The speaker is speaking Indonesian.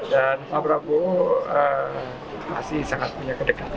dan prabowo masih sangat punya kedekatan